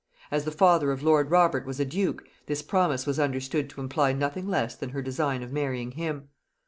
As the father of lord Robert was a duke, this promise was understood to imply nothing less than her design of marrying him.